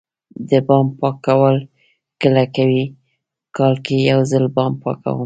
د بام پاکول کله کوئ؟ کال کې یوځل بام پاکوم